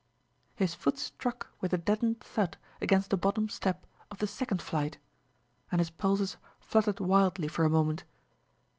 His foot struck with a deadened thud against the bottom step of the second flight, and his pulses fluttered wildly for a moment.